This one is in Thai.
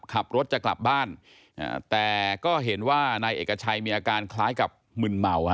ขับรถจะกลับบ้านแต่ก็เห็นว่านายเอกชัยมีอาการคล้ายกับมึนเมา